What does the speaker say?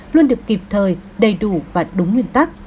luôn được kịp thời đầy đủ và đúng nguyên tắc